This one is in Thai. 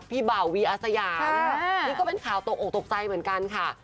บ่าวีอาสยามนี่ก็เป็นข่าวตกออกตกใจเหมือนกันค่ะ